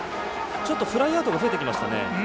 フライアウトが増えてきましたね。